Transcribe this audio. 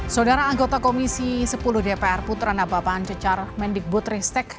saudara anggota komisi sepuluh dpr putrana bapak anjecar mendikbutristek